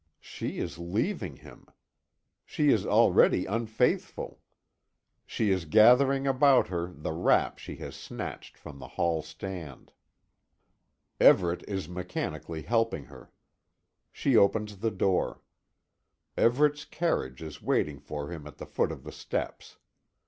She is leaving him! She is already unfaithful! She is gathering about her the wrap she has snatched from the hall stand. Everet is mechanically helping her. She opens the door. Everet's carriage is waiting for him at the foot of the steps.